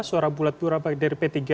suara bulat pura baik dari p tiga